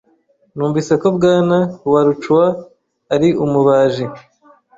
Numvise ko Bwana Huayllacahua ari umubaji.